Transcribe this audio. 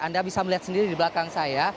anda bisa melihat sendiri di belakang saya